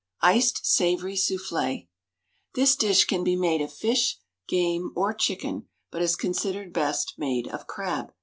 Iced Savory Soufflé. This dish can be made of fish, game, or chicken, but is considered best made of crab.